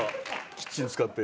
キッチン使って。